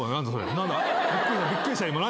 びっくりした今何？